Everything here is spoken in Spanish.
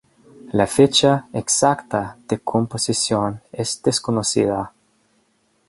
La fecha exacta de composición es desconocida.